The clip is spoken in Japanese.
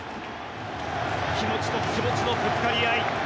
気持ちと気持ちのぶつかり合い。